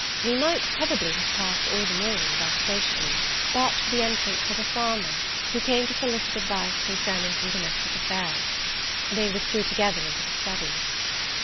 We might, probably, have passed all the morning thus sociably, but for the entrance of a farmer, who came to solicit advice concerning some domestic affairs. They withdrew together into the study.